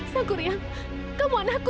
sang kurian kamu anakku